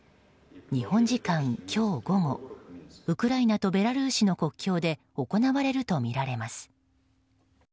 日本時間今日午後ウクライナとベラルーシの国境で行われるとみられます。